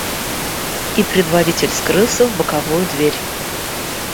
И предводитель скрылся в боковую дверь.